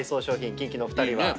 キンキのお二人は？